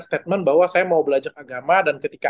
statement bahwa saya mau belajar agama dan ketika